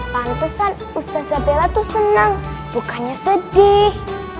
pantesan ustazza bella tuh senang bukannya sedih